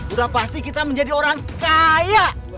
udah pasti kita menjadi orang kaya